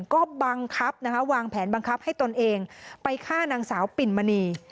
ก็บังคับนะคะวางแผนบังคับให้ตนเองไปฆ่านางสาวปิ่นมณี